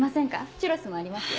チュロスもありますよ。